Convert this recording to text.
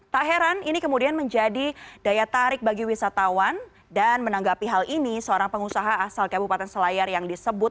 tak heran ini kemudian menjadi daya tarik bagi wisatawan dan menanggapi hal ini seorang pengusaha asal kabupaten selayar yang disebut